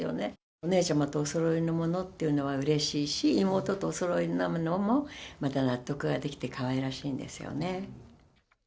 お姉ちゃまとおそろいのものっていうのはうれしいし、妹とおそろいになるのもまた納得ができて、かわいらしいんですよね。